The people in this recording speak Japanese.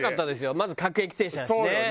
まず各駅停車だしね。